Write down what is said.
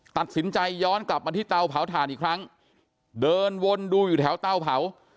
ตัดสินใจย้อนกลับมาที่เตาเผาถ่านอีกครั้งเดินวนดูอยู่แถวเตาเผา